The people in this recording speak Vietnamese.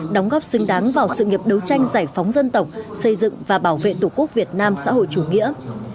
đóng góp xứng đáng vào sự nghiệp đấu tranh giải phóng dân tộc xây dựng và bảo vệ tổ quốc việt nam xã hội chủ nghĩa